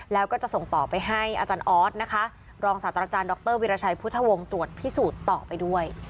แล้วก็จะส่งต่อไปให้อาจารย์ออสนะคะรองศาสตราจารย์ดรวิราชัยพุทธวงศ์ตรวจพิสูจน์ต่อไปด้วย